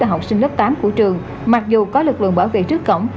học sinh lớp tám của trường mặc dù có lực lượng bảo vệ trước cổng